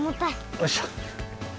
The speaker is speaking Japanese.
おいしょ。